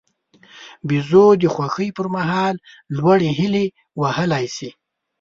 بیزو د خوښۍ پر مهال لوړې هلې وهلای شي.